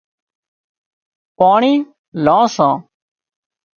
پاڻي لان سان